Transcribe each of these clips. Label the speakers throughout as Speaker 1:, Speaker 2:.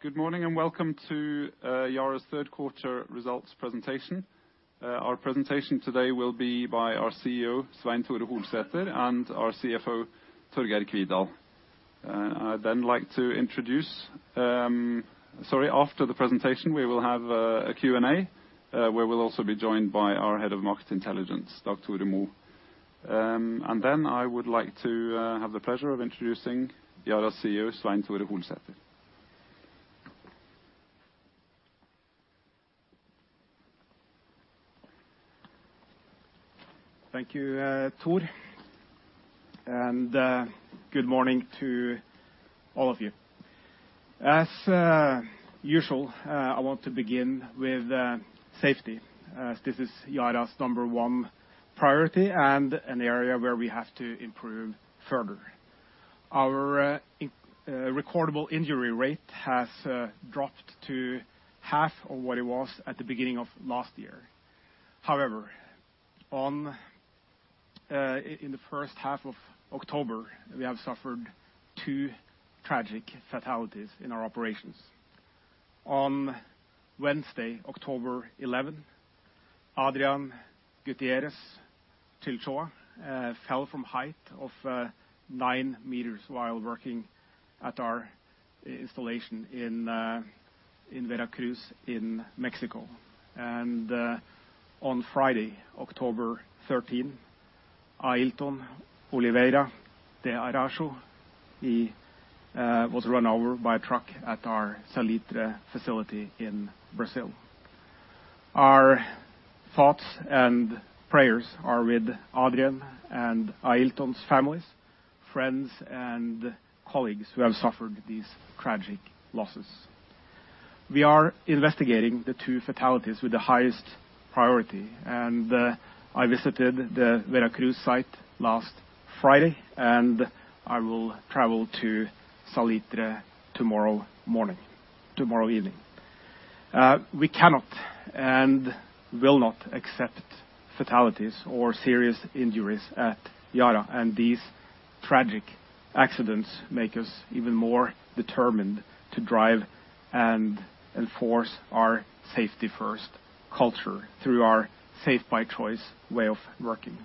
Speaker 1: Good morning, welcome to Yara's third quarter results presentation. Our presentation today will be by our CEO, Svein Tore Holsether, and our CFO, Torgeir Kvidal. After the presentation, we will have a Q&A, where we'll also be joined by our Head of Market Intelligence, Dag Tore Mo. Then I would like to have the pleasure of introducing Yara's CEO, Svein Tore Holsether.
Speaker 2: Thank you, Tor, good morning to all of you. As usual, I want to begin with safety, as this is Yara's number one priority and an area where we have to improve further. Our recordable injury rate has dropped to half of what it was at the beginning of last year. However, in the first half of October, we have suffered two tragic fatalities in our operations. On Wednesday, October 11, Adrian Gutierrez Chinchilla fell from height of nine meters while working at our installation in Veracruz in Mexico. On Friday, October 13, Ailton Oliveira de Araujo, he was run over by a truck at our Salitre facility in Brazil. Our thoughts and prayers are with Adrian and Ailton's families, friends, and colleagues who have suffered these tragic losses. We are investigating the two fatalities with the highest priority. I visited the Veracruz site last Friday, and I will travel to Salitre tomorrow evening. We cannot and will not accept fatalities or serious injuries at Yara, and these tragic accidents make us even more determined to drive and enforce our Safe by Choice way of working.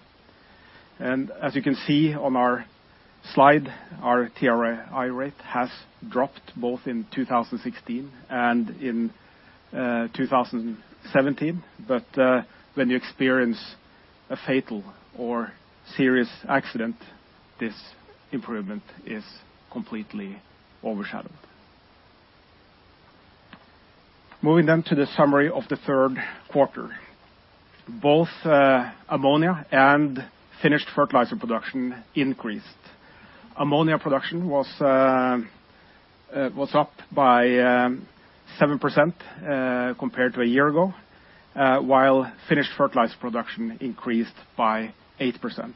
Speaker 2: As you can see on our slide, our TRI rate has dropped both in 2016 and in 2017. When you experience a fatal or serious accident, this improvement is completely overshadowed. Moving to the summary of the third quarter. Both ammonia and finished fertilizer production increased. Ammonia production was up by 7% compared to a year ago while finished fertilizer production increased by 8%.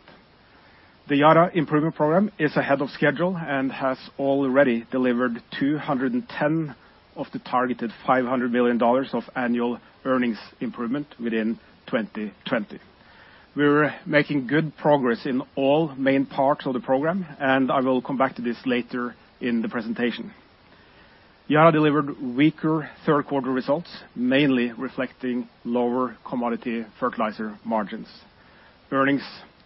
Speaker 2: The Yara Improvement Program is ahead of schedule and has already delivered $ 210 million of the targeted $500 million of annual earnings improvement within 2020. We're making good progress in all main parts of the program, and I will come back to this later in the presentation. Yara delivered weaker third quarter results, mainly reflecting lower commodity fertilizer margins. Earnings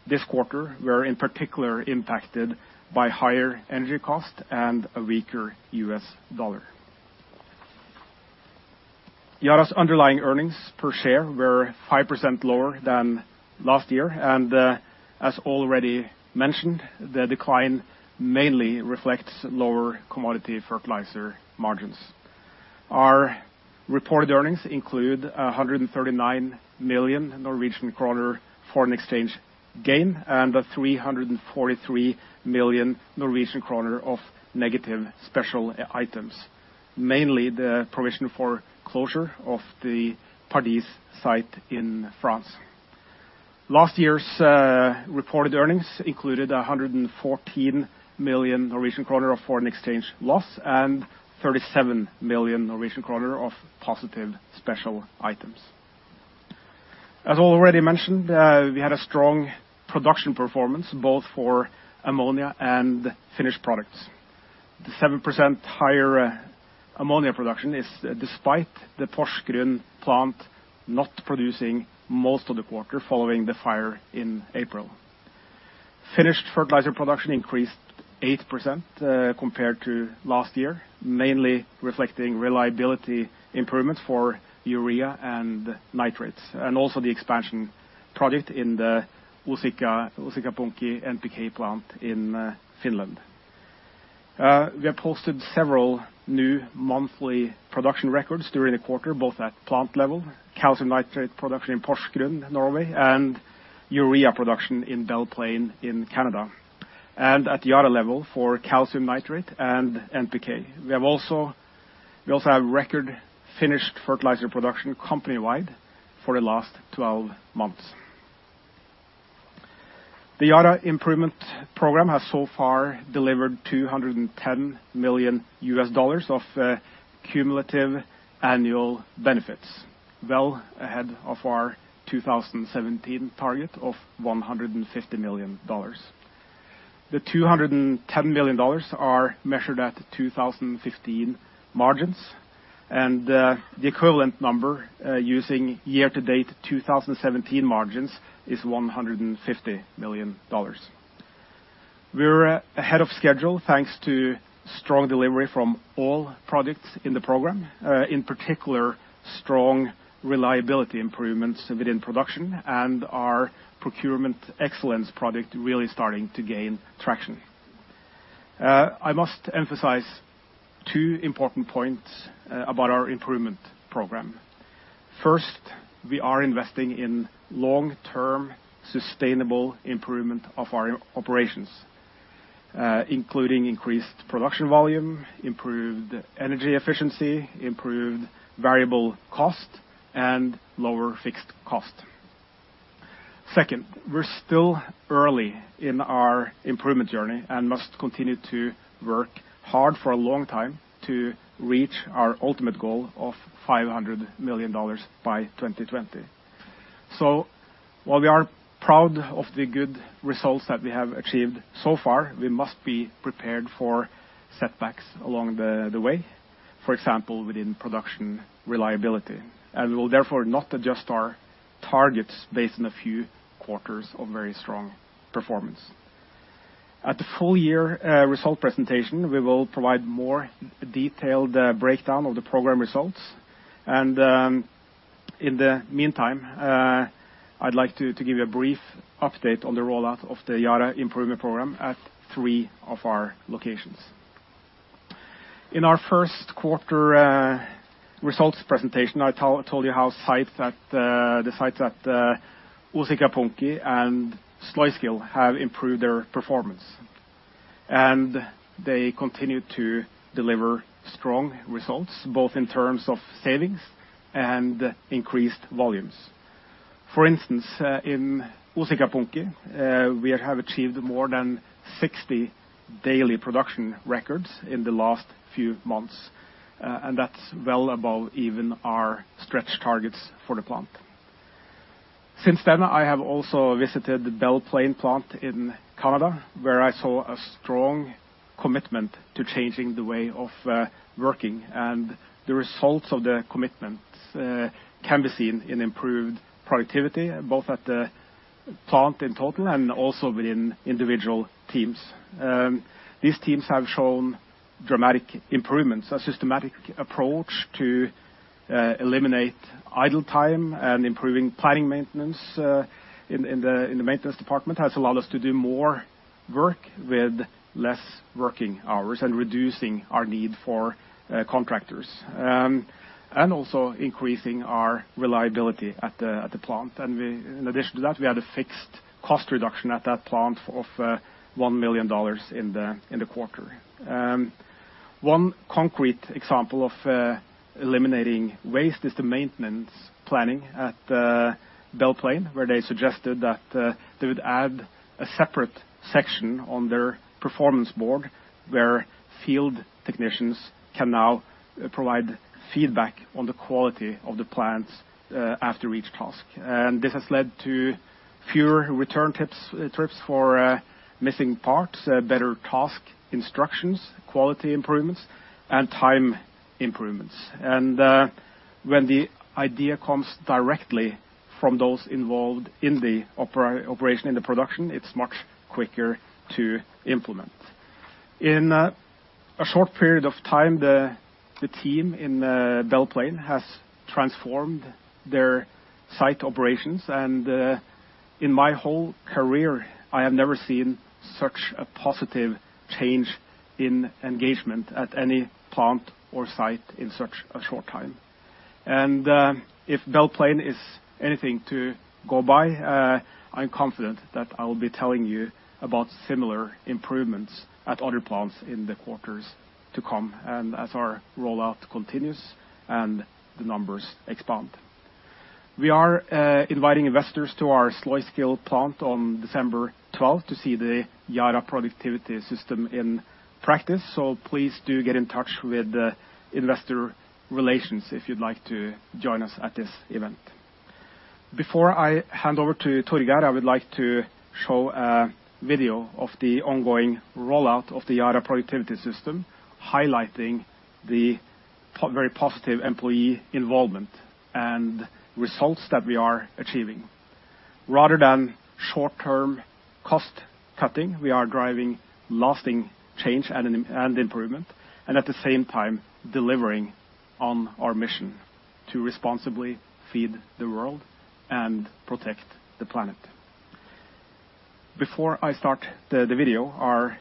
Speaker 2: this quarter were in particular impacted by higher energy cost and a weaker US dollar. Yara's underlying earnings per share were 5% lower than last year. As already mentioned, the decline mainly reflects lower commodity fertilizer margins. Our reported earnings include 139 million Norwegian kroner foreign exchange gain and 343 million Norwegian kroner of negative special items, mainly the provision for closure of the Pardies site in France. Last year's reported earnings included 114 million Norwegian kroner of foreign exchange loss and 37 million Norwegian kroner of positive special items. Already mentioned, we had a strong production performance both for ammonia and finished products. The 7% higher ammonia production is despite the Porsgrunn plant not producing most of the quarter following the fire in April. Finished fertilizer production increased 8% compared to last year, mainly reflecting reliability improvements for urea and nitrates, and also the expansion project in the Uusikaupunki NPK plant in Finland. We have posted several new monthly production records during the quarter, both at plant level, calcium nitrate production in Porsgrunn, Norway, and urea production in Belle Plaine in Canada. At Yara level for calcium nitrate and NPK. We also have record finished fertilizer production company-wide for the last 12 months. The Yara Improvement Program has so far delivered $210 million of cumulative annual benefits. Well ahead of our 2017 target of $150 million. The $210 million are measured at 2015 margins, and the equivalent number using year-to-date 2017 margins is $150 million. We're ahead of schedule, thanks to strong delivery from all products in the program. In particular, strong reliability improvements within production and our procurement excellence product really starting to gain traction. I must emphasize two important points about our improvement program. First, we are investing in long-term sustainable improvement of our operations, including increased production volume, improved energy efficiency, improved variable cost, and lower fixed cost. Second, we're still early in our improvement journey and must continue to work hard for a long time to reach our ultimate goal of $500 million by 2020. While we are proud of the good results that we have achieved so far, we must be prepared for setbacks along the way. For example, within production reliability. We will therefore not adjust our targets based on a few quarters of very strong performance. At the full year result presentation, we will provide more detailed breakdown of the program results. In the meantime, I'd like to give you a brief update on the rollout of the Yara Improvement Program at three of our locations. In our first quarter results presentation, I told you how the sites at Uusikaupunki and Sluiskil have improved their performance. They continue to deliver strong results, both in terms of savings and increased volumes. For instance, in Uusikaupunki, we have achieved more than 60 daily production records in the last few months, and that's well above even our stretch targets for the plant. Since then, I have also visited the Belle Plaine plant in Canada, where I saw a strong commitment to changing the way of working, and the results of the commitment can be seen in improved productivity, both at the plant in total and also within individual teams. These teams have shown dramatic improvements, a systematic approach to eliminate idle time and improving planning maintenance in the maintenance department has allowed us to do more work with less working hours and reducing our need for contractors. Also increasing our reliability at the plant. In addition to that, we had a fixed cost reduction at that plant of $1 million in the quarter. One concrete example of eliminating waste is the maintenance planning at Belle Plaine, where they suggested that they would add a separate section on their performance board, where field technicians can now provide feedback on the quality of the plants after each task. This has led to fewer return trips for missing parts, better task instructions, quality improvements, and time improvements. When the idea comes directly from those involved in the operation in the production, it's much quicker to implement. In a short period of time, the team in Belle Plaine has transformed their site operations, and in my whole career, I have never seen such a positive change in engagement at any plant or site in such a short time. If Belle Plaine is anything to go by, I'm confident that I will be telling you about similar improvements at other plants in the quarters to come as our rollout continues and the numbers expand. We are inviting investors to our Sluiskil plant on December 12th to see the Yara Productivity System in practice, so please do get in touch with the investor relations if you'd like to join us at this event. Before I hand over to Torgeir, I would like to show a video of the ongoing rollout of the Yara Productivity System, highlighting the very positive employee involvement and results that we are achieving. Rather than short-term cost cutting, we are driving lasting change and improvement and, at the same time, delivering on our mission to responsibly feed the world and protect the planet. Before I start the video, our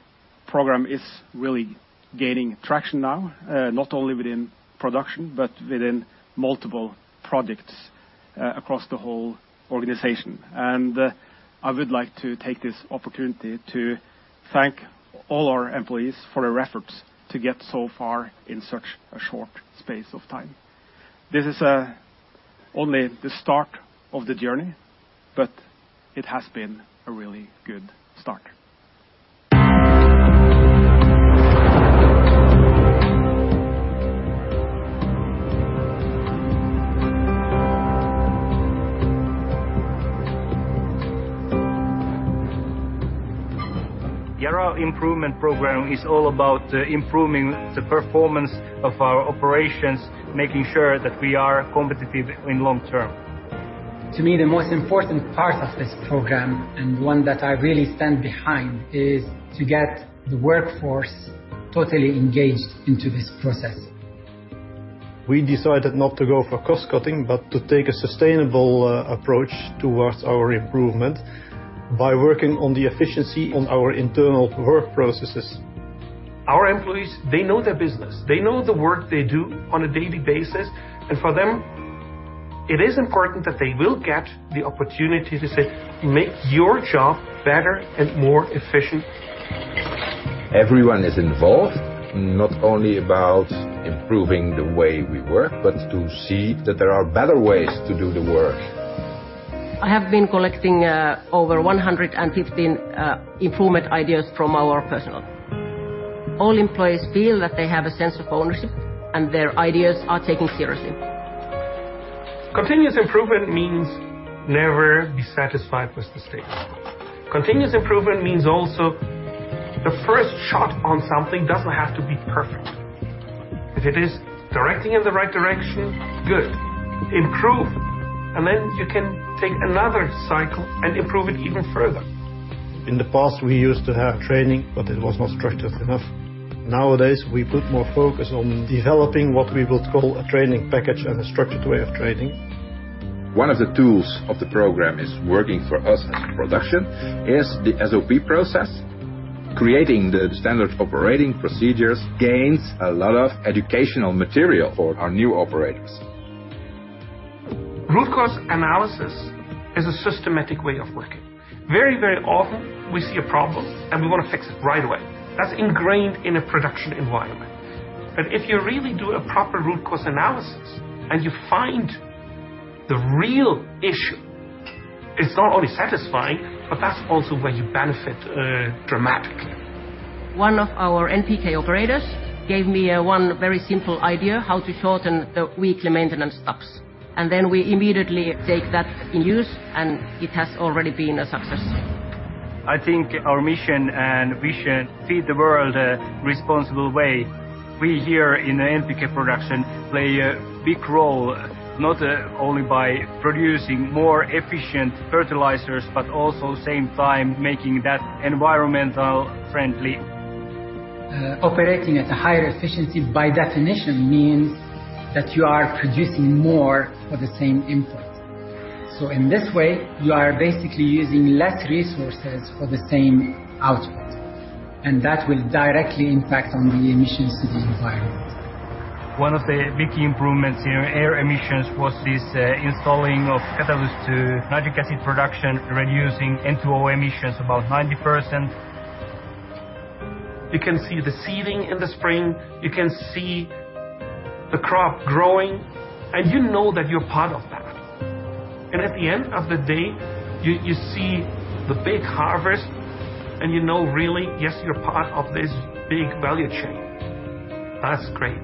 Speaker 2: program is really gaining traction now, not only within production but within multiple projects across the whole organization. I would like to take this opportunity to thank all our employees for their efforts to get so far in such a short space of time. This is only the start of the journey, but it has been a really good start.
Speaker 3: Yara Improvement Program is all about improving the performance of our operations, making sure that we are competitive in long term. To me, the most important part of this program, and one that I really stand behind, is to get the workforce totally engaged into this process. We decided not to go for cost-cutting, but to take a sustainable approach towards our improvement by working on the efficiency on our internal work processes. Our employees, they know their business. They know the work they do on a daily basis, and for them, it is important that they will get the opportunity to say, "Make your job better and more efficient. Everyone is involved, not only about improving the way we work, but to see that there are better ways to do the work. I have been collecting over 115 improvement ideas from our personnel. All employees feel that they have a sense of ownership, and their ideas are taken seriously. Continuous improvement means never be satisfied with the status. Continuous improvement means also the first shot on something doesn't have to be perfect. If it is directing in the right direction, good. Improve. Then you can take another cycle and improve it even further. In the past, we used to have training, but it was not structured enough. Nowadays, we put more focus on developing what we would call a training package and a structured way of training. One of the tools of the program is working for us in production is the SOP process. Creating the standard operating procedures gains a lot of educational material for our new operators. Root cause analysis is a systematic way of working. Very often, we see a problem, we want to fix it right away. That's ingrained in a production environment. If you really do a proper root cause analysis and you find the real issue, it's not only satisfying, but that's also where you benefit dramatically. One of our NPK operators gave me one very simple idea how to shorten the weekly maintenance stops. We immediately take that in use, and it has already been a success. I think our mission and vision, feed the world a responsible way. We here in the NPK production play a big role, not only by producing more efficient fertilizers, but also same time making that environmental friendly. Operating at a higher efficiency by definition means that you are producing more of the same input. In this way, you are basically using less resources for the same output, and that will directly impact on the emissions to the environment. One of the big improvements in air emissions was this installing of catalyst to nitric acid production, reducing N2O emissions about 90%. You can see the seeding in the spring, you can see the crop growing, and you know that you're part of that. At the end of the day, you see the big harvest, and you know really, yes, you're part of this big value chain. That's great.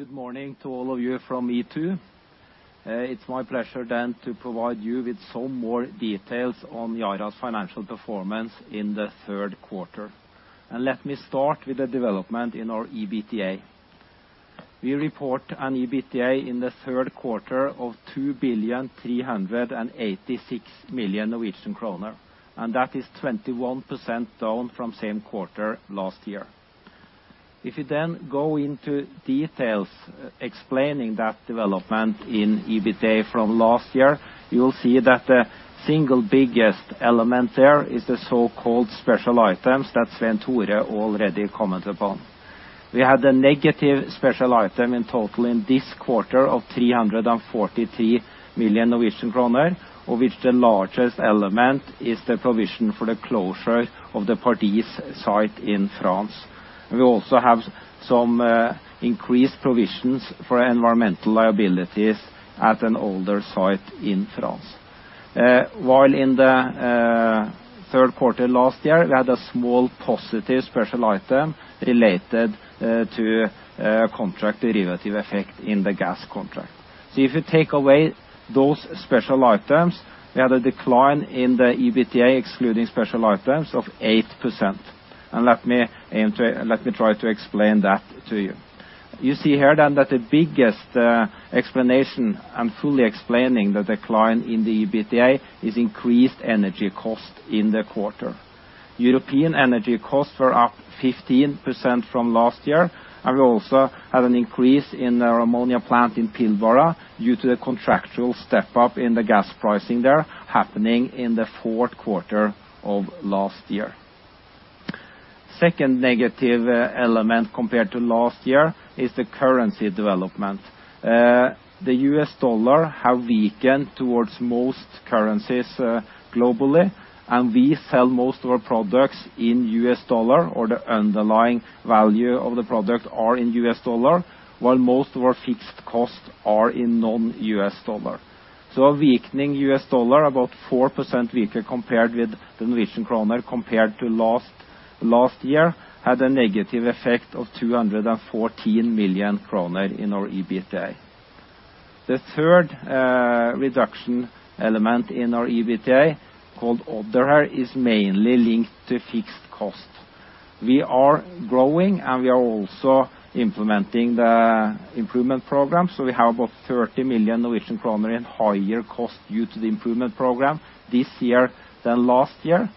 Speaker 4: Good morning to all of you from me, too. It's my pleasure then to provide you with some more details on Yara's financial performance in the third quarter. Let me start with the development in our EBITDA. We report an EBITDA in the third quarter of 2,386 million Norwegian kroner, That is 21% down from same quarter last year. If you then go into details explaining that development in EBITDA from last year, you will see that the single biggest element there is the so-called special items that Svein Tore already commented on. We had a negative special item in total in this quarter of 343 million Norwegian kroner, of which the largest element is the provision for the closure of the Pardies site in France. We also have some increased provisions for environmental liabilities at an older site in France. While in the third quarter last year, we had a small positive special item related to contract derivative effect in the gas contract. If you take away those special items, we had a decline in the EBITDA excluding special items of 8%. Let me try to explain that to you. You see here then that the biggest explanation, and fully explaining the decline in the EBITDA, is increased energy cost in the quarter. European energy costs were up 15% from last year, and we also had an increase in our ammonia plant in Pilbara due to the contractual step up in the gas pricing there happening in the fourth quarter of last year. Second negative element compared to last year is the currency development. The US dollar have weakened towards most currencies globally, and we sell most of our products in US dollar, or the underlying value of the products are in US dollar, while most of our fixed costs are in non-US dollar. A weakening US dollar, about 4% weaker compared with the Norwegian kroner compared to last year, had a negative effect of 214 million kroner in our EBITDA. The third reduction element in our EBITDA, called other, is mainly linked to fixed costs. We are growing, and we are also implementing the Yara Improvement Program. We have about 30 million Norwegian kroner in higher cost due to the Yara Improvement Program this year than last year.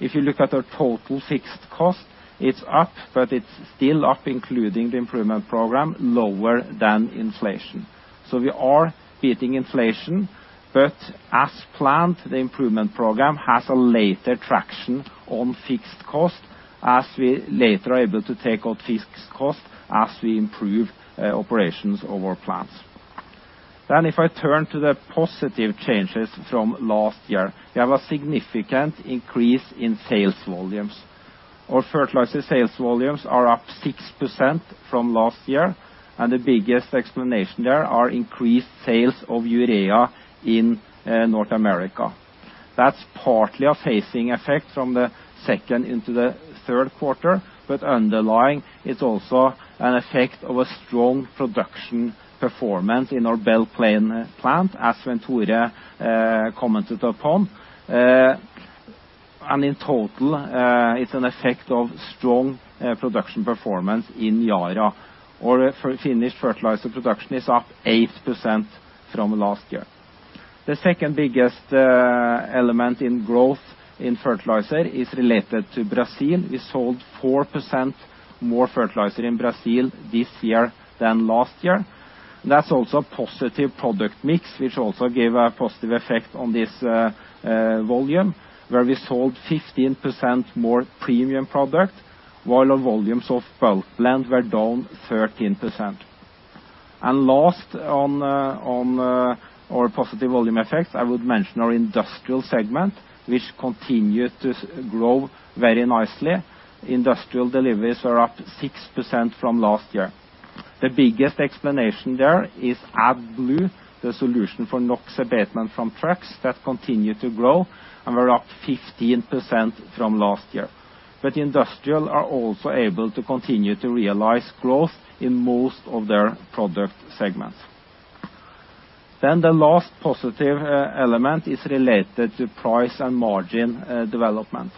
Speaker 4: If you look at our total fixed cost, it's up, but it's still up, including the Yara Improvement Program, lower than inflation. We are beating inflation, but as planned, the Yara Improvement Program has a later traction on fixed cost, as we later are able to take out fixed cost as we improve operations of our plants. If I turn to the positive changes from last year, we have a significant increase in sales volumes. Our fertilizer sales volumes are up 6% from last year, and the biggest explanation there are increased sales of urea in North America. That's partly a phasing effect from the second into the third quarter, but underlying, it's also an effect of a strong production performance in our Belle Plaine plant, as Svein Tore commented upon. In total, it's an effect of strong production performance in Yara. Our finished fertilizer production is up 8% from last year. The second biggest element in growth in fertilizer is related to Brazil. We sold 4% more fertilizer in Brazil this year than last year. That's also a positive product mix, which also gave a positive effect on this volume, where we sold 15% more premium product, while our volumes of bulk blend were down 13%. Last on our positive volume effects, I would mention our industrial segment, which continued to grow very nicely. Industrial deliveries are up 6% from last year. The biggest explanation there is AdBlue, the solution for NOx abatement from trucks, that continued to grow and were up 15% from last year. Industrial are also able to continue to realize growth in most of their product segments. The last positive element is related to price and margin development.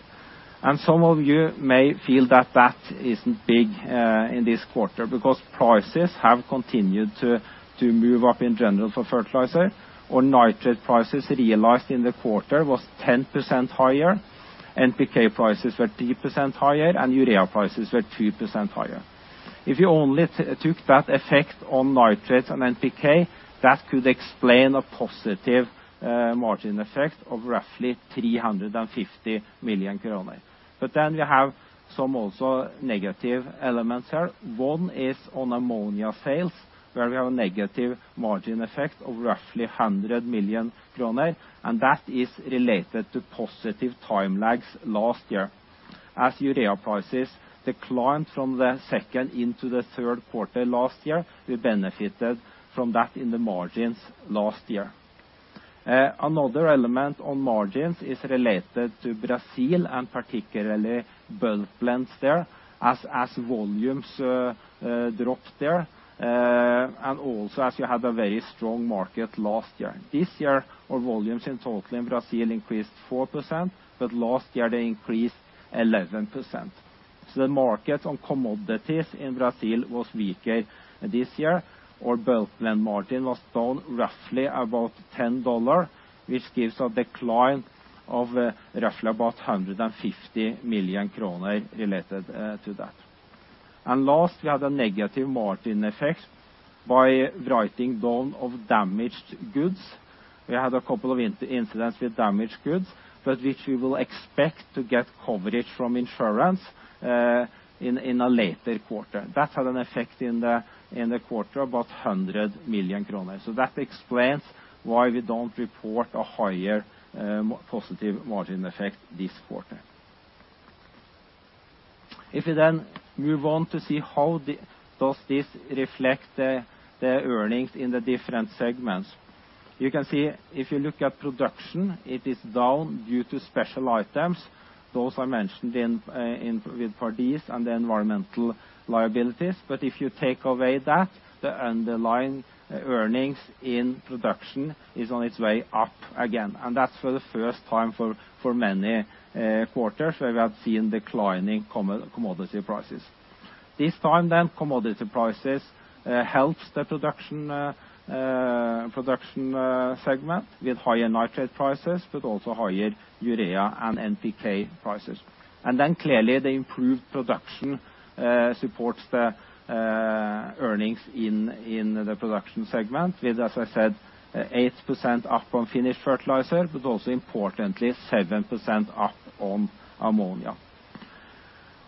Speaker 4: Some of you may feel that that isn't big in this quarter, because prices have continued to move up in general for fertilizer, or nitrate prices realized in the quarter was 10% higher, NPK prices were 3% higher, and urea prices were 2% higher. If you only took that effect on nitrates and NPK, that could explain a positive margin effect of roughly 350 million kroner. We have some also negative elements here. One is on ammonia sales, where we have a negative margin effect of roughly 100 million kroner, and that is related to positive time lags last year. Urea prices declined from the second into the third quarter last year, we benefited from that in the margins last year. Another element on margins is related to Brazil and particularly bulk blends there, as volumes dropped there, and also as you had a very strong market last year. This year, our volumes in total in Brazil increased 4%, but last year they increased 11%. The market on commodities in Brazil was weaker this year. Our bulk blend margin was down roughly about NOK 10, which gives a decline of roughly about 150 million kroner related to that. Last, we had a negative margin effect by writing down of damaged goods. We had a couple of incidents with damaged goods, but which we will expect to get coverage from insurance in a later quarter. That had an effect in the quarter of about 100 million kroner. That explains why we don't report a higher positive margin effect this quarter. If we then move on to see how does this reflect the earnings in the different segments. You can see if you look at production, it is down due to special items. Those I mentioned with Pardies and the environmental liabilities. If you take away that, the underlying earnings in production is on its way up again. That's for the first time for many quarters where we have seen declining commodity prices. This time then, commodity prices helps the production segment with higher nitrate prices, but also higher urea and NPK prices. Clearly the improved production supports the earnings in the production segment with, as I said, 8% up on finished fertilizer, but also importantly 7% up on ammonia.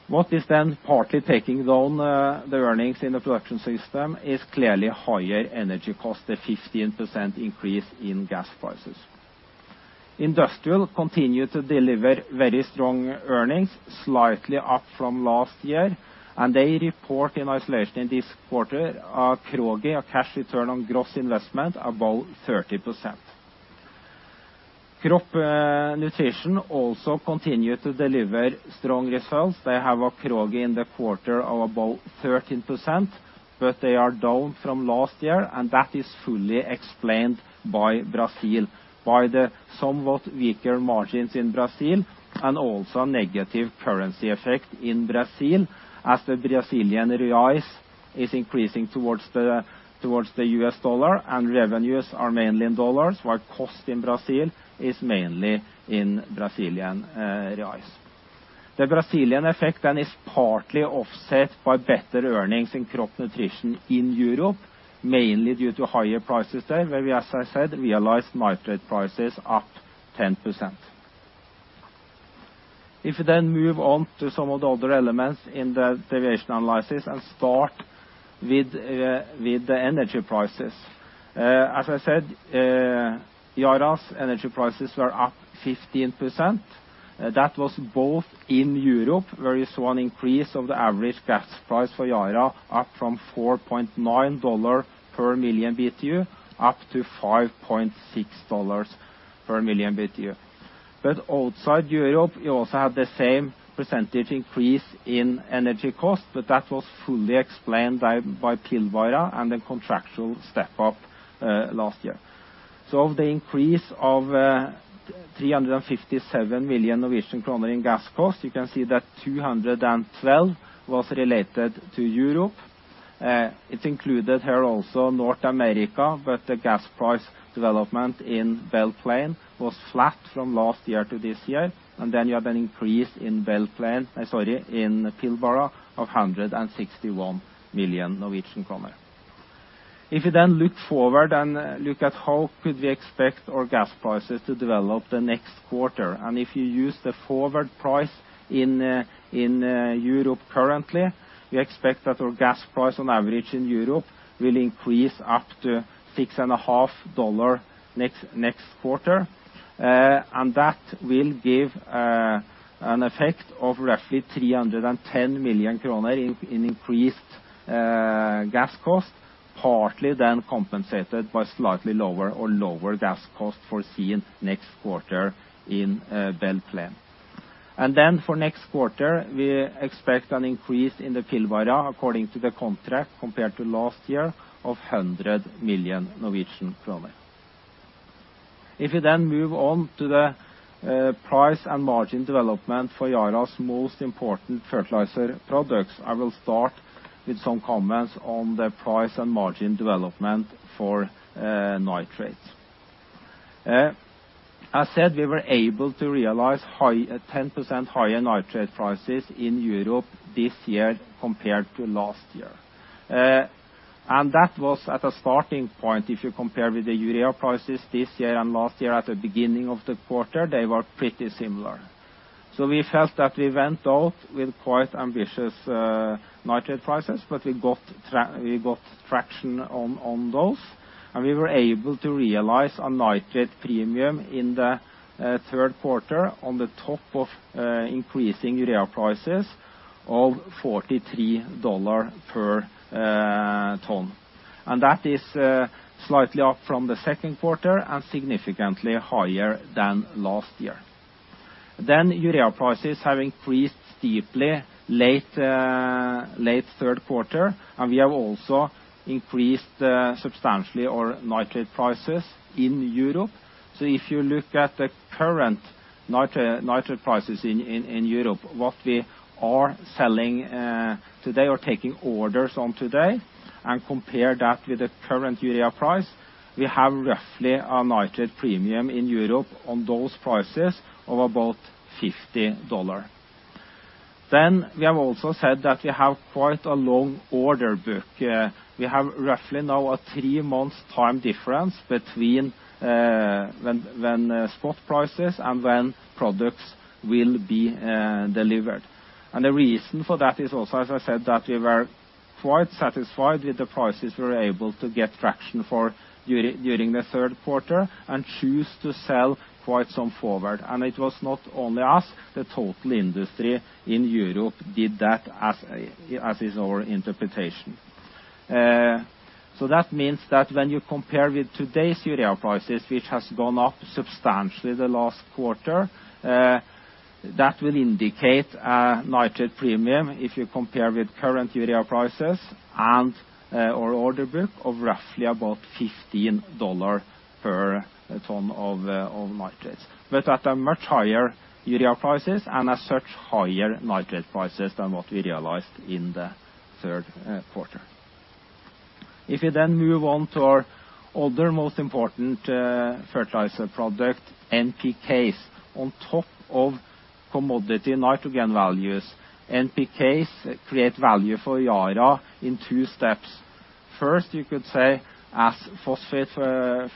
Speaker 4: What is then partly taking down the earnings in the production system is clearly higher energy cost, a 15% increase in gas prices. Industrial continued to deliver very strong earnings, slightly up from last year, and they report in isolation this quarter a CROGI, a cash return on gross investment, above 30%. Crop Nutrition also continued to deliver strong results. They have a CROGI in the quarter of about 13%, but they are down from last year, and that is fully explained by Brazil, by the somewhat weaker margins in Brazil and also a negative currency effect in Brazil as the Brazilian reais is increasing towards the US dollar and revenues are mainly in dollars, while cost in Brazil is mainly in Brazilian reais. The Brazilian effect then is partly offset by better earnings in Crop Nutrition in Europe, mainly due to higher prices there, where as I said, realized nitrate prices up 10%. If you then move on to some of the other elements in the deviation analysis and start with the energy prices. As I said, Yara's energy prices were up 15%. That was both in Europe, where you saw an increase of the average gas price for Yara up from 4.9 dollar per million BTU up to 5.6 dollars per million BTU. Outside Europe, you also have the same percentage increase in energy cost, but that was fully explained by Pilbara and the contractual step up last year. The increase of 357 million Norwegian kroner in gas cost, you can see that 212 was related to Europe. It's included here also North America, but the gas price development in Belle Plaine was flat from last year to this year, and then you have an increase in Pilbara of 161 million Norwegian kroner. If you then look forward and look at how could we expect our gas prices to develop the next quarter, and if you use the forward price in Europe currently, we expect that our gas price on average in Europe will increase up to $6.5 next quarter. That will give an effect of roughly 310 million kroner in increased gas cost, partly then compensated by slightly lower or lower gas cost foreseen next quarter in Belle Plaine. For next quarter, we expect an increase in the Pilbara, according to the contract, compared to last year of 100 million Norwegian kroner. If we then move on to the price and margin development for Yara's most important fertilizer products, I will start with some comments on the price and margin development for nitrates. As said, we were able to realize 10% higher nitrate prices in Europe this year compared to last year. That was at a starting point, if you compare with the urea prices this year and last year at the beginning of the quarter, they were pretty similar. We felt that we went out with quite ambitious nitrate prices, but we got traction on those, and we were able to realize a nitrate premium in the third quarter on the top of increasing urea prices of $43 per tonne. That is slightly up from the second quarter and significantly higher than last year. Urea prices have increased steeply late third quarter, and we have also increased substantially our nitrate prices in Europe. If you look at the current nitrate prices in Europe, what we are selling today or taking orders on today and compare that with the current urea price, we have roughly a nitrate premium in Europe on those prices of about $50. We have also said that we have quite a long order book. We have roughly now a three months time difference between when spot prices and when products will be delivered. The reason for that is also, as I said, that we were quite satisfied with the prices we were able to get traction for during the third quarter and choose to sell quite some forward. It was not only us, the total industry in Europe did that as is our interpretation. That means that when you compare with today's urea prices, which has gone up substantially the last quarter, that will indicate a nitrate premium if you compare with current urea prices and our order book of roughly about $15 per tonne of nitrates. At a much higher urea prices and as such, higher nitrate prices than what we realized in the third quarter. If you then move on to our other most important fertilizer product, NPKs. On top of commodity nitrogen values, NPKs create value for Yara in two steps. First, you could say as phosphate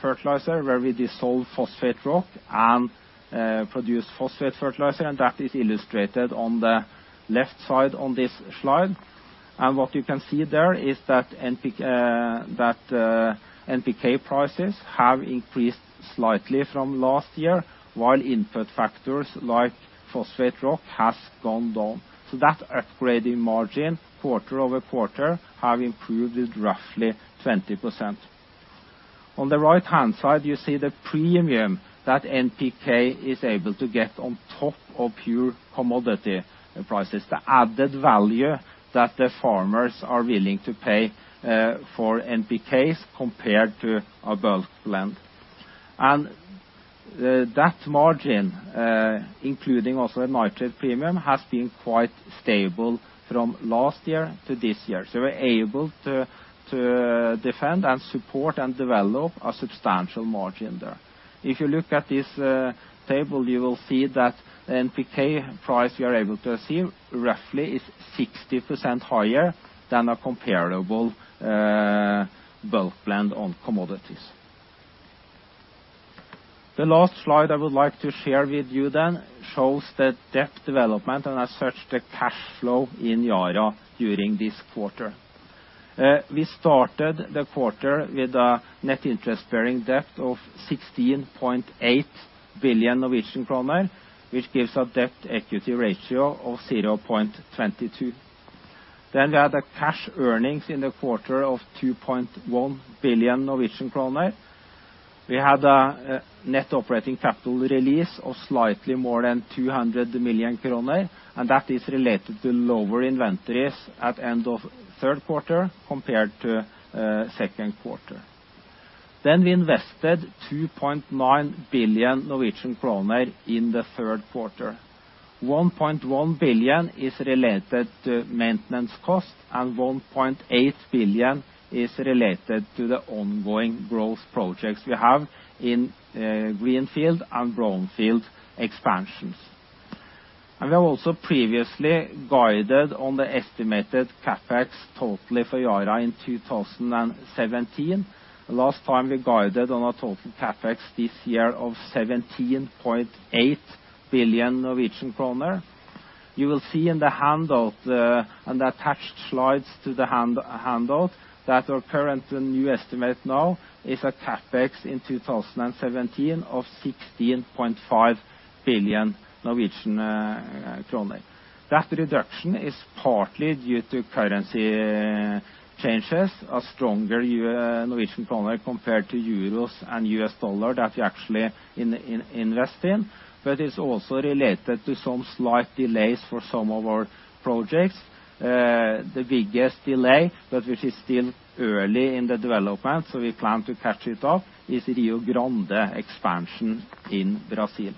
Speaker 4: fertilizer, where we dissolve phosphate rock and produce phosphate fertilizer, and that is illustrated on the left side on this slide. What you can see there is that NPK prices have increased slightly from last year, while input factors like phosphate rock has gone down. That upgrading margin quarter-over-quarter have improved roughly 20%. On the right-hand side, you see the premium that NPK is able to get on top of pure commodity prices, the added value that the farmers are willing to pay for NPKs compared to a bulk blend. That margin, including also a nitrate premium, has been quite stable from last year to this year. We're able to defend and support and develop a substantial margin there. If you look at this table, you will see that NPK price we are able to achieve roughly is 60% higher than a comparable bulk blend on commodities. The last slide I would like to share with you shows the debt development and as such the cash flow in Yara during this quarter. We started the quarter with a net interest-bearing debt of 16.8 billion Norwegian kroner, which gives a debt equity ratio of 0.22. We had a cash earnings in the quarter of 2.1 billion Norwegian kroner. We had a net operating capital release of slightly more than 200 million kroner, and that is related to lower inventories at end of third quarter compared to second quarter. We invested 2.9 billion Norwegian kroner in the third quarter. 1.1 billion is related to maintenance cost, and 1.8 billion is related to the ongoing growth projects we have in greenfield and brownfield expansions. We have also previously guided on the estimated CapEx totally for Yara in 2017. Last time we guided on a total CapEx this year of 17.8 billion Norwegian kroner. You will see in the handout, and the attached slides to the handout, that our current new estimate now is a CapEx in 2017 of 16.5 billion Norwegian kroner. That reduction is partly due to currency changes, a stronger Norwegian kroner compared to EUR and USD that we actually invest in, but it's also related to some slight delays for some of our projects. The biggest delay, but which is still early in the development, so we plan to catch it up, is Rio Grande expansion in Brazil.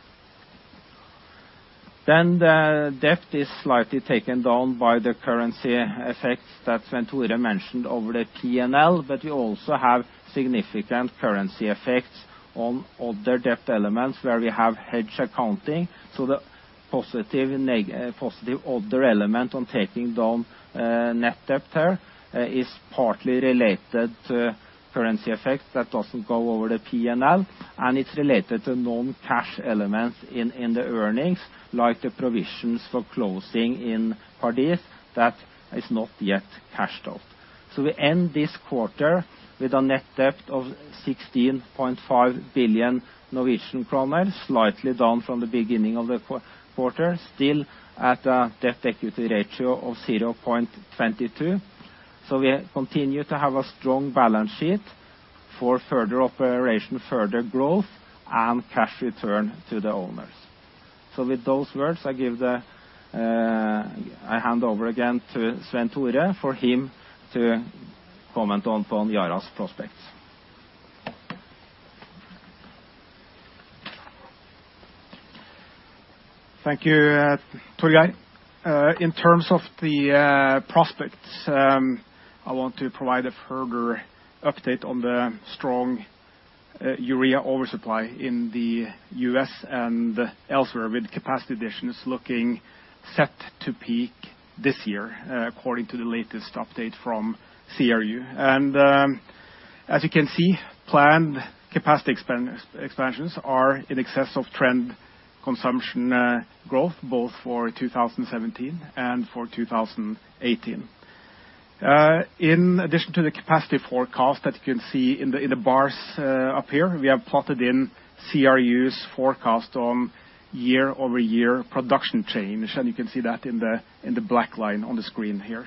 Speaker 4: The debt is slightly taken down by the currency effects that Svein Tore mentioned over the P&L, but we also have significant currency effects on other debt elements where we have hedge accounting. The positive other element on taking down net debt there is partly related to currency effect that doesn't go over the P&L, and it's related to non-cash elements in the earnings, like the provisions for closing in Pardies that is not yet cashed out. We end this quarter with a net debt of 16.5 billion Norwegian kroner, slightly down from the beginning of the quarter, still at a debt equity ratio of 0.22. We continue to have a strong balance sheet for further operation, further growth, and cash return to the owners. With those words, I hand over again to Svein Tore for him to comment on Yara's prospects.
Speaker 2: Thank you, Torgeir. In terms of the prospects, I want to provide a further update on the strong urea oversupply in the U.S. and elsewhere, with capacity additions looking set to peak this year, according to the latest update from CRU. As you can see, planned capacity expansions are in excess of trend consumption growth, both for 2017 and for 2018. In addition to the capacity forecast that you can see in the bars up here, we have plotted in CRU's forecast on year-over-year production change. You can see that in the black line on the screen here.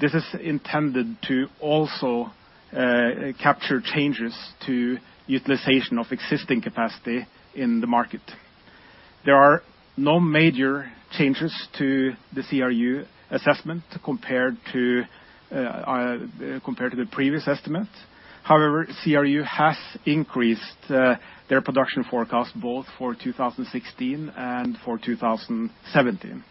Speaker 2: This is intended to also capture changes to utilization of existing capacity in the market. There are no major changes to the CRU assessment compared to the previous estimate. However, CRU has increased their production forecast both for 2016 and for 2017.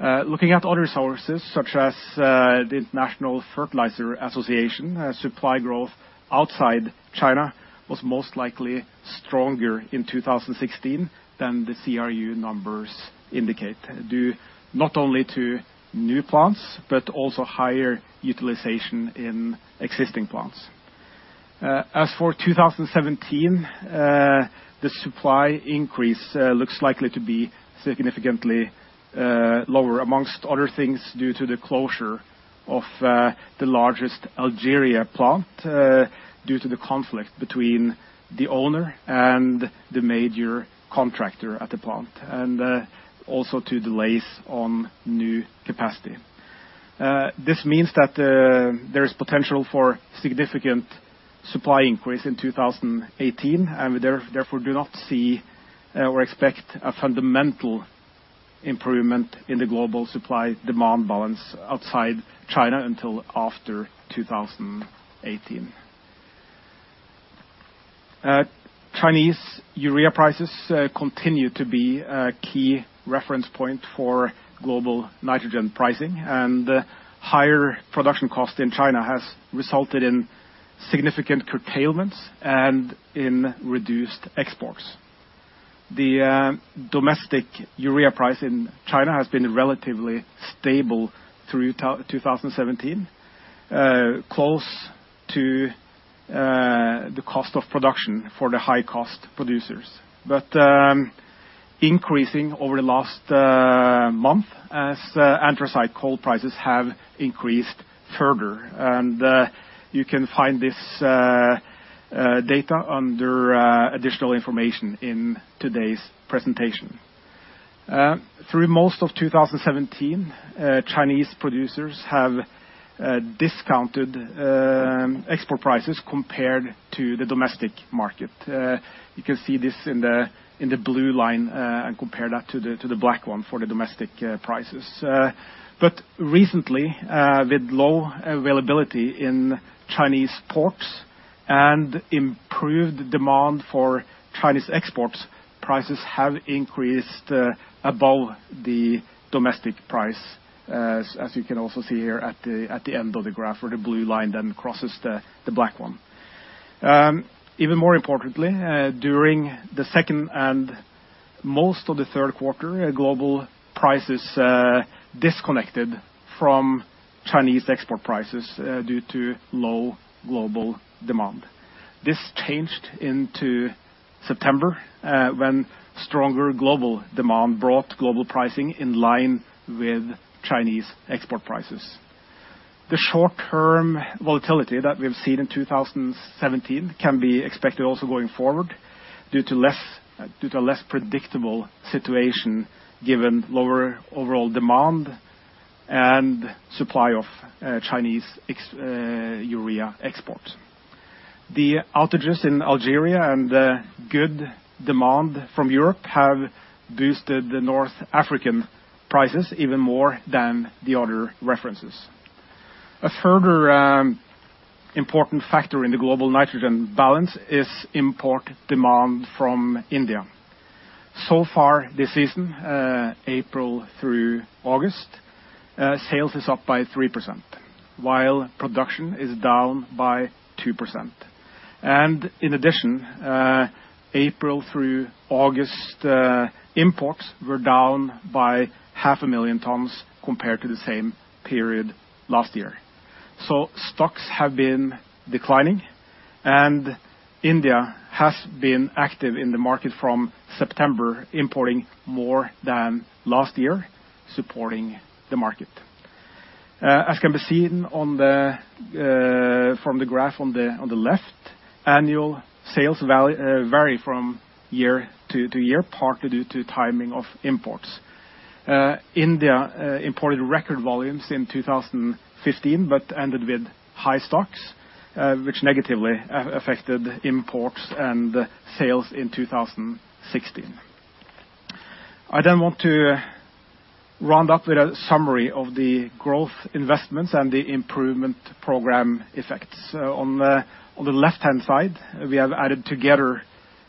Speaker 2: Looking at other sources, such as the International Fertilizer Association, supply growth outside China was most likely stronger in 2016 than the CRU numbers indicate, due not only to new plants, but also higher utilization in existing plants. As for 2017, the supply increase looks likely to be significantly lower, among other things, due to the closure of the largest Algeria plant due to the conflict between the owner and the major contractor at the plant, to delays on new capacity. This means that there is potential for significant supply increase in 2018. We therefore do not see or expect a fundamental improvement in the global supply-demand balance outside China until after 2018. Chinese urea prices continue to be a key reference point for global nitrogen pricing. Higher production cost in China has resulted in significant curtailments and in reduced exports. The domestic urea price in China has been relatively stable through 2017, close to the cost of production for the high-cost producers, increasing over the last month as anthracite coal prices have increased further. You can find this data under additional information in today's presentation. Through most of 2017, Chinese producers have discounted export prices compared to the domestic market. You can see this in the blue line and compare that to the black one for the domestic prices. Recently, with low availability in Chinese ports, improved demand for Chinese exports, prices have increased above the domestic price, as you can also see here at the end of the graph, where the blue line crosses the black one. Even more importantly, during the second and most of the third quarter, global prices disconnected from Chinese export prices due to low global demand. This changed into September, when stronger global demand brought global pricing in line with Chinese export prices. The short-term volatility that we've seen in 2017 can be expected also going forward due to less predictable situation given lower overall demand and supply of Chinese urea export. The outages in Algeria and the good demand from Europe have boosted the North African prices even more than the other references. A further important factor in the global nitrogen balance is import demand from India. So far this season, April through August, sales is up by 3%, while production is down by 2%. In addition, April through August, imports were down by half a million tons compared to the same period last year. Stocks have been declining, India has been active in the market from September, importing more than last year, supporting the market. As can be seen from the graph on the left, annual sales vary from year to year, partly due to timing of imports. India imported record volumes in 2015 but ended with high stocks, which negatively affected imports and sales in 2016. I want to round up with a summary of the growth investments and the Improvement Program effects. On the left-hand side, we have added together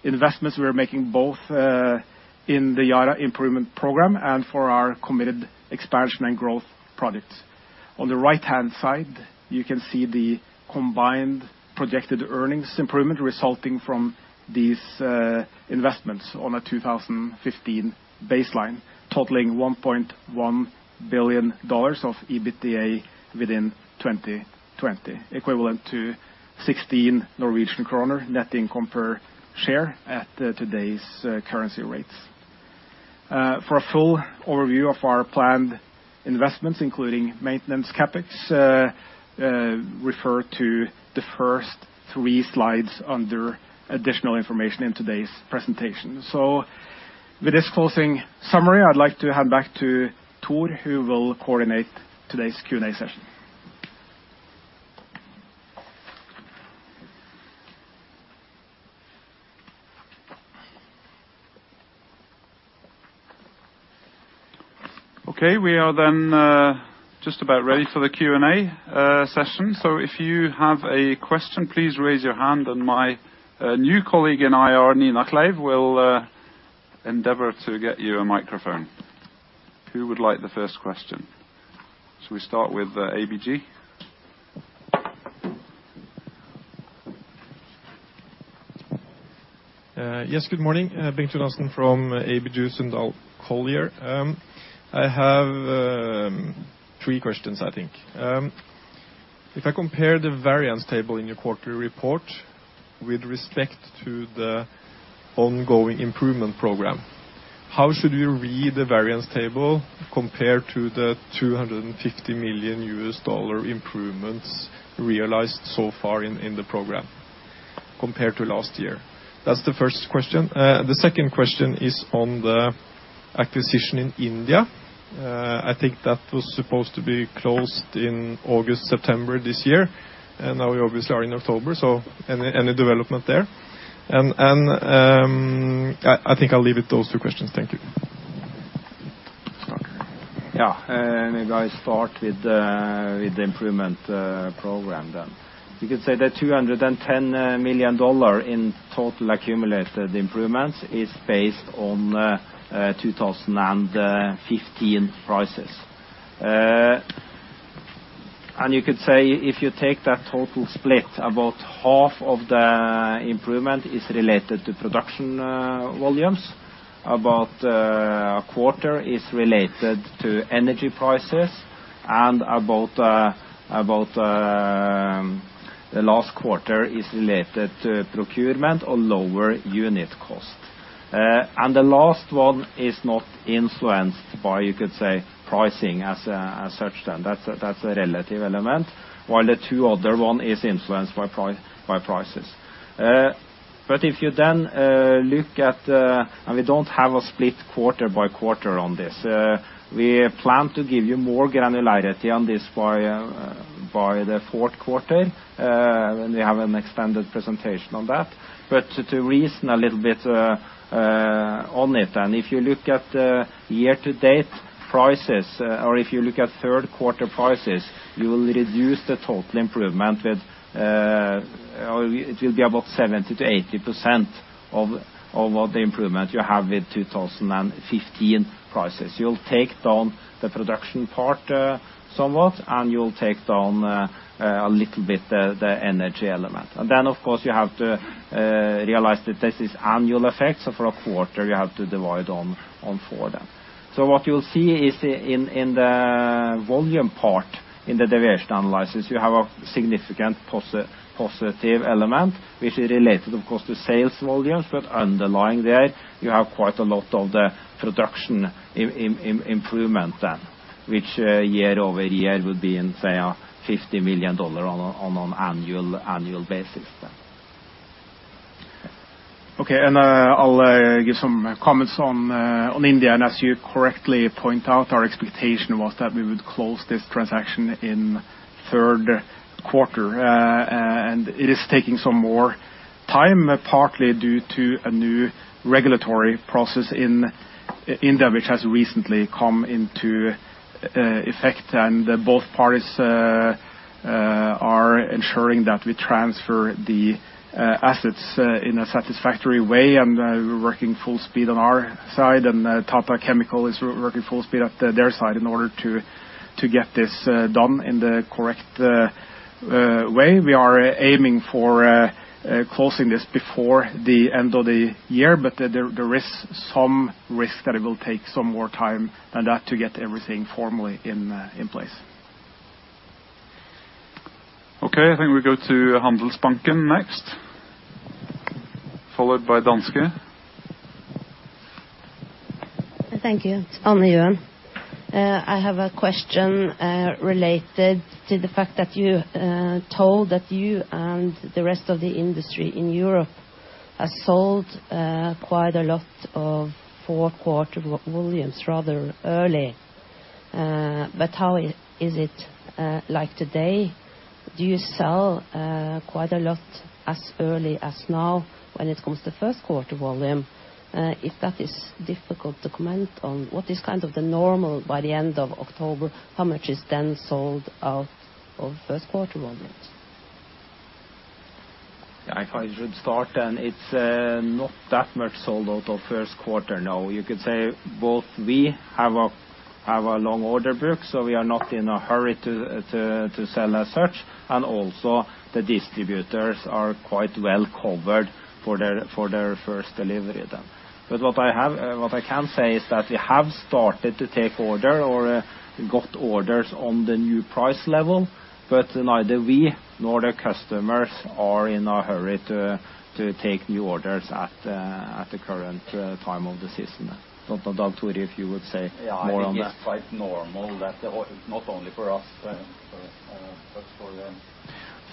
Speaker 2: investments we are making both in the Yara Improvement Program and for our committed expansion and growth projects. On the right-hand side, you can see the combined projected earnings improvement resulting from these investments on a 2015 baseline totaling $1.1 billion of EBITDA within 2020, equivalent to 16 Norwegian kroner net income per share at today's currency rates. For a full overview of our planned investments, including maintenance CapEx, refer to the first three slides under additional information in today's presentation. With this closing summary, I'd like to hand back to Tor, who will coordinate today's Q&A session.
Speaker 1: We are just about ready for the Q&A session. If you have a question, please raise your hand and my new colleague in IR, Nina Kleiv, will endeavor to get you a microphone. Who would like the first question? Should we start with ABG?
Speaker 5: Yes, good morning. Bengt Jonassen from ABG Sundal Collier. I have three questions, I think. If I compare the variance table in your quarterly report with respect to the ongoing Improvement Program, how should we read the variance table compared to the $250 million improvements realized so far in the program compared to last year? That's the first question. The second question is on the acquisition in India. I think that was supposed to be closed in August, September this year, and now we obviously are in October. Any development there? I think I'll leave it those two questions. Thank you.
Speaker 4: Maybe I start with the improvement program then. You could say the NOK 210 million in total accumulated improvements is based on 2015 prices. You could say, if you take that total split, about half of the improvement is related to production volumes, about a quarter is related to energy prices, and about the last quarter is related to procurement or lower unit cost. The last one is not influenced by, you could say, pricing as such then. That's a relative element. While the two other one is influenced by prices. If you then look at the-- We don't have a split quarter by quarter on this. We plan to give you more granularity on this by the fourth quarter, when we have an extended presentation on that. To reason a little bit on it then, if you look at year-to-date prices, or if you look at third quarter prices, you will reduce the total improvement with, it will be about 70%-80% of the improvement you have with 2015 prices. You'll take down the production part somewhat, and you'll take down a little bit the energy element. Then, of course, you have to realize that this is annual effects, so for a quarter, you have to divide on four then. What you'll see is in the volume part in the deviation analysis, you have a significant positive element, which is related, of course, to sales volumes, but underlying there, you have quite a lot of the production improvement then, which year-over-year would be in, say, a NOK 50 million on an annual basis then.
Speaker 2: I'll give some comments on India. As you correctly point out, our expectation was that we would close this transaction in third quarter. It is taking some more time, partly due to a new regulatory process in India, which has recently come into effect. Both parties are ensuring that we transfer the assets in a satisfactory way, and we're working full speed on our side, and Tata Chemicals is working full speed at their side in order to get this done in the correct way. We are aiming for closing this before the end of the year, but there is some risk that it will take some more time than that to get everything formally in place.
Speaker 1: I think we go to Handelsbanken next, followed by Danske.
Speaker 6: Thank you. It's Anne-Johan. I have a question related to the fact that you told that you and the rest of the industry in Europe have sold quite a lot of fourth quarter volumes rather early. How is it like today? Do you sell quite a lot as early as now when it comes to first quarter volume? If that is difficult to comment on, what is kind of the normal by the end of October, how much is then sold out of first quarter volumes?
Speaker 4: I should start, it's not that much sold out of first quarter, no. You could say both we have a long order book, so we are not in a hurry to sell as such. Also the distributors are quite well covered for their first delivery then. What I can say is that we have started to take order or got orders on the new price level, but neither we nor the customers are in a hurry to take new orders at the current time of the season. Don't know, Dag Tore, if you would say more on that.
Speaker 5: I think it's quite normal that, not only for us, but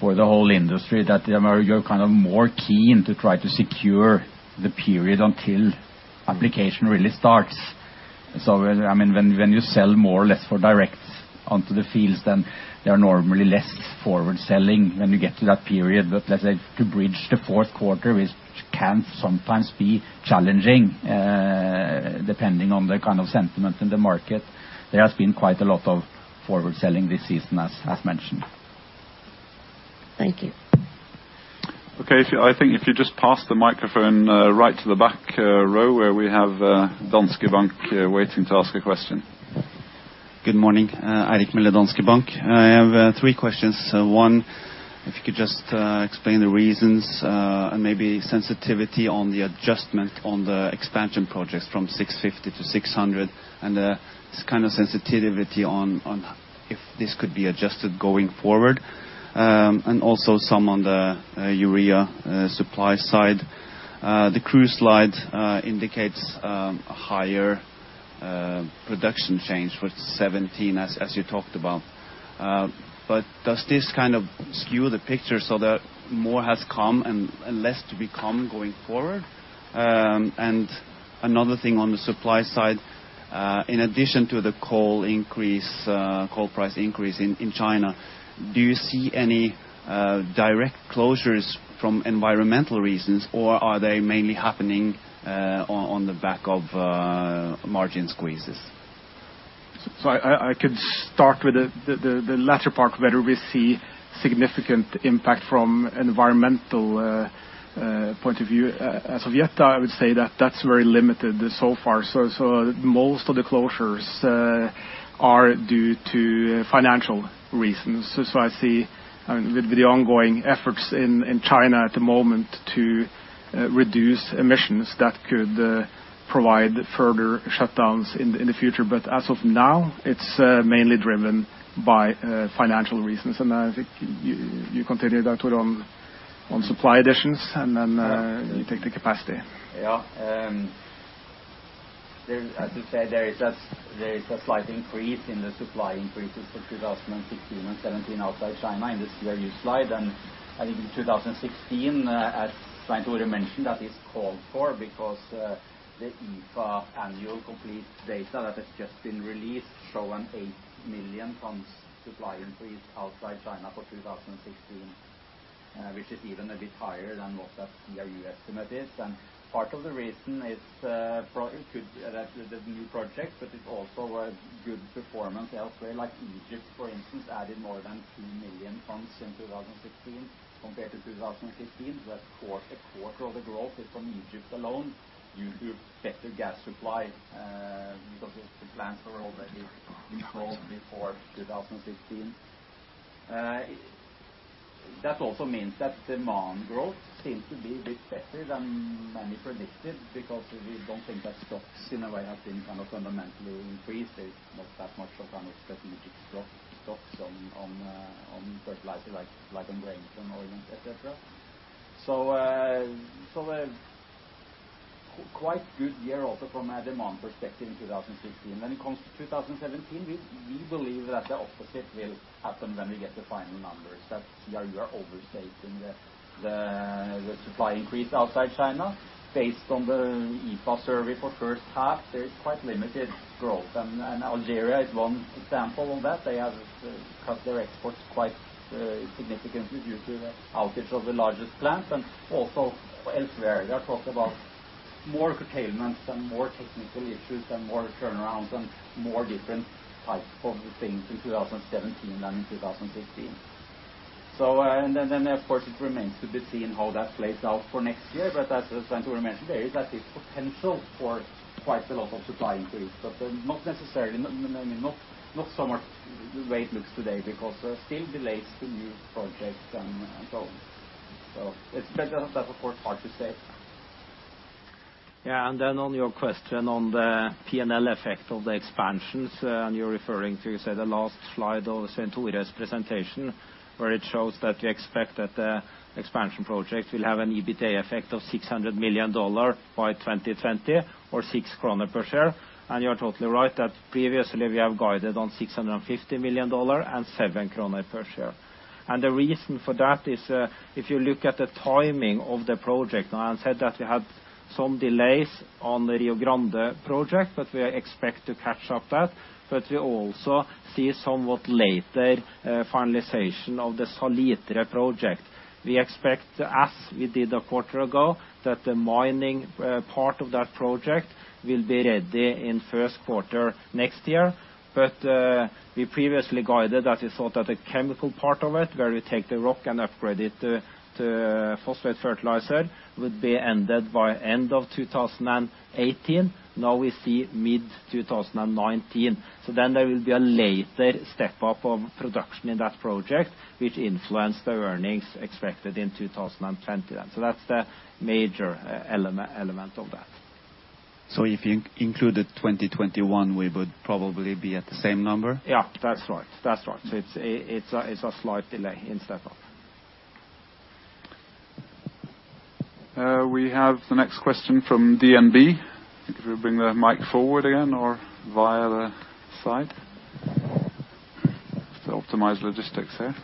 Speaker 5: for the whole industry, that you're kind of more keen to try to secure the period until application really starts. When you sell more or less for direct onto the fields, then they are normally less forward selling when you get to that period. Let's say to bridge the fourth quarter, which can sometimes be challenging, depending on the kind of sentiment in the market. There has been quite a lot of forward selling this season as mentioned.
Speaker 6: Thank you.
Speaker 1: Okay. I think if you just pass the microphone right to the back row where we have Danske Bank waiting to ask a question.
Speaker 7: Good morning. Eirik with Danske Bank. I have three questions. One, if you could just explain the reasons, and maybe sensitivity on the adjustment on the expansion projects from 650 to 600, and the kind of sensitivity on if this could be adjusted going forward. Also some on the urea supply side. The CRU slide indicates a higher production change for 2017, as you talked about. Does this kind of skew the picture so that more has come and less to be come going forward? Another thing on the supply side, in addition to the coal price increase in China, do you see any direct closures from environmental reasons, or are they mainly happening on the back of margin squeezes?
Speaker 2: I could start with the latter part, whether we see significant impact from environmental point of view. As of yet, I would say that that's very limited so far. Most of the closures are due to financial reasons. I see with the ongoing efforts in China at the moment to reduce emissions, that could provide further shutdowns in the future. As of now, it's mainly driven by financial reasons. I think you continue, Dag Tore, on supply additions, and then you take the capacity.
Speaker 5: Yeah. As you said, there is a slight increase in the supply increases for 2016 and 2017 outside China in the CRU slide. I think in 2016, as Svein Tore mentioned, that is called for because the IFA annual complete data that has just been released show an 8 million tons supply increase outside China for 2016, which is even a bit higher than what that CRU estimate is. Part of the reason is the new projects, but it's also a good performance elsewhere. Like Egypt, for instance, added more than 2 million tons in 2016 compared to 2015. A quarter of the growth is from Egypt alone due to better gas supply, because the plants were already controlled before 2016. That also means that demand growth seems to be a bit better than many predicted, because we don't think that stocks in a way have been kind of fundamentally increased. There's not that much of strategic stocks on fertilizer like on brainstorm or et cetera. A quite good year also from a demand perspective in 2016. When it comes to 2017, we believe that the opposite will happen when we get the final numbers, that CRU are overstating the supply increase outside China. Based on the IFA survey for first half, there is quite limited growth, and Algeria is one example of that. They have cut their exports quite significantly due to the outage of the largest plant. Also elsewhere, they talk about more curtailments and more technical issues and more turnarounds and more different types of things in 2017 than in 2016. Of course, it remains to be seen how that plays out for next year. As Svein Tore mentioned, there is at least potential for quite a lot of supply increase, but not so much the way it looks today because still delays the new projects and so on. That, of course, hard to say.
Speaker 4: Yeah. On your question on the P&L effect of the expansions, and you're referring to, you said, the last slide of Svein Tore's presentation, where it shows that you expect that the expansion project will have an EBITDA effect of $600 million by 2020 or six kroner per share. You're totally right that previously we have guided on $650 million and seven kroner per share. The reason for that is, if you look at the timing of the project, I said that we had some delays on the Rio Grande project, but we expect to catch up that. We also see somewhat later finalization of the Salitre project. We expect, as we did a quarter ago, that the mining part of that project will be ready in first quarter next year. We previously guided that we thought that the chemical part of it, where we take the rock and upgrade it to phosphate fertilizer, would be ended by end of 2018. Now we see mid-2019. There will be a later step-up of production in that project, which influence the earnings expected in 2020. That's the major element of that.
Speaker 5: If you included 2021, we would probably be at the same number?
Speaker 4: Yeah, that's right. It's a slight delay in step up.
Speaker 1: We have the next question from DNB. You bring the mic forward again or via the side to optimize logistics there.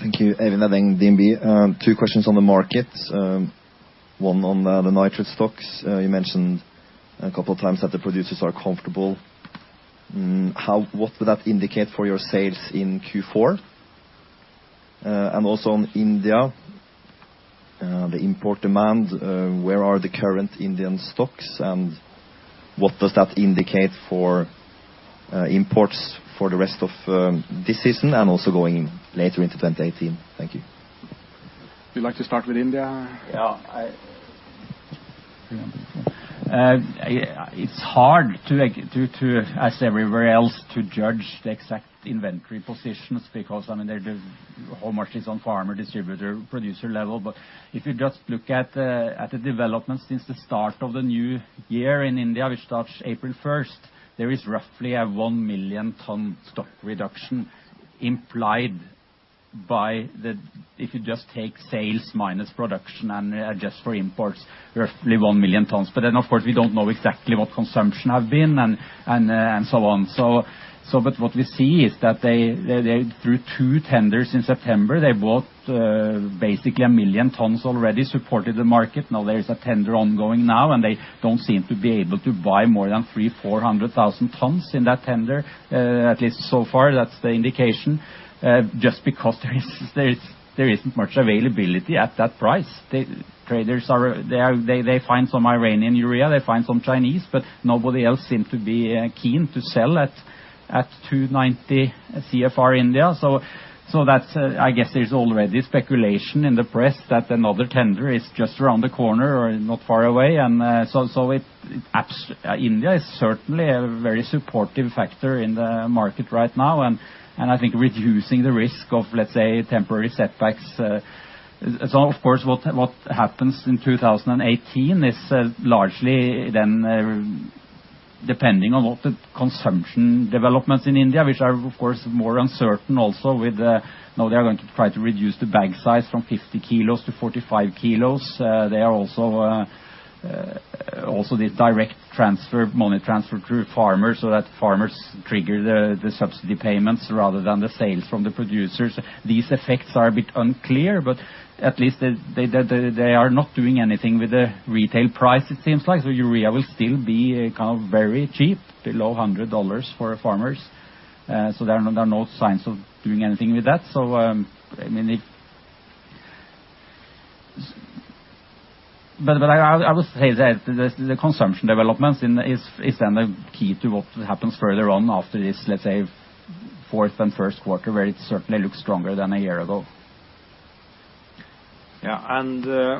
Speaker 8: Thank you. Eivind Løving, DNB. Two questions on the markets. One on the nitrate stocks. You mentioned a couple of times that the producers are comfortable. What would that indicate for your sales in Q4? Also on India, the import demand, where are the current Indian stocks, and what does that indicate for imports for the rest of this season and also going later into 2018? Thank you.
Speaker 4: You'd like to start with India?
Speaker 5: It's hard, as everywhere else, to judge the exact inventory positions because how much is on farmer, distributor, producer level. If you just look at the development since the start of the new year in India, which starts April 1st, there is roughly a 1 million ton stock reduction implied by if you just take sales minus production and adjust for imports, roughly 1 million tons. Of course, we don't know exactly what consumption have been and so on. What we see is that they, through two tenders in September, they bought basically 1 million tons already, supported the market. There is a tender ongoing now, they don't seem to be able to buy more than three, 400,000 tons in that tender. At least so far, that's the indication. Just because there isn't much availability at that price. The traders, they find some Iranian urea, they find some Chinese, nobody else seem to be keen to sell at 290 CFR India. I guess there's already speculation in the press that another tender is just around the corner or not far away. India is certainly a very supportive factor in the market right now, and I think reducing the risk of, let's say, temporary setbacks. Of course, what happens in 2018 is largely then depending on what the consumption developments in India, which are, of course, more uncertain also with, now they are going to try to reduce the bag size from 50 kilos to 45 kilos. There are also the direct money transfer to farmers so that farmers trigger the subsidy payments rather than the sales from the producers. These effects are a bit unclear, at least they are not doing anything with the retail price, it seems like. Urea will still be very cheap, below 100 dollars for farmers. There are no signs of doing anything with that. I would say that the consumption developments is then the key to what happens further on after this, let's say, fourth and first quarter, where it certainly looks stronger than a year ago.
Speaker 4: Yeah.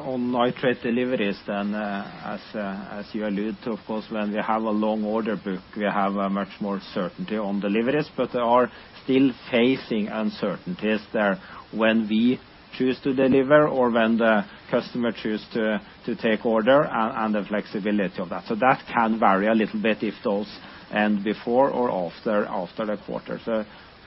Speaker 4: On nitrate deliveries, as you allude to, of course, when we have a long order book, we have much more certainty on deliveries. There are still facing uncertainties there when we choose to deliver or when the customer choose to take order and the flexibility of that. That can vary a little bit if those end before or after the quarter.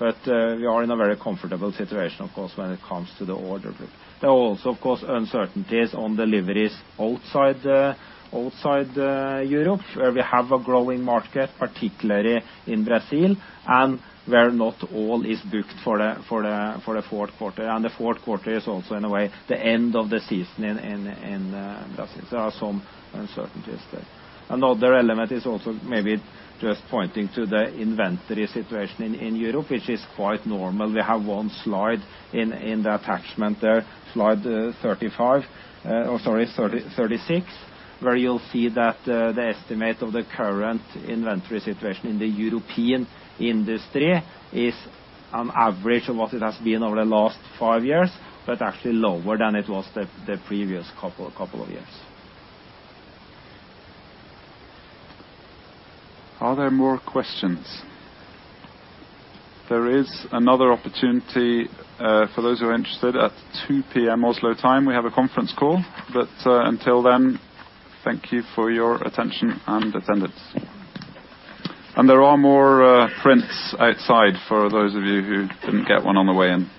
Speaker 4: We are in a very comfortable situation, of course, when it comes to the order book. There are also, of course, uncertainties on deliveries outside Europe, where we have a growing market, particularly in Brazil, and where not all is booked for the fourth quarter. The fourth quarter is also, in a way, the end of the season in Brazil. There are some uncertainties there. Another element is also maybe just pointing to the inventory situation in Europe, which is quite normal. We have one slide in the attachment there, slide 35, or sorry, 36, where you'll see that the estimate of the current inventory situation in the European industry is on average of what it has been over the last five years, but actually lower than it was the previous couple of years.
Speaker 1: Are there more questions? There is another opportunity, for those who are interested, at 2:00 P.M. Oslo time, we have a conference call. Until then, thank you for your attention and attendance. There are more prints outside for those of you who didn't get one on the way in.